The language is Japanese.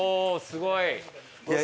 すごいね！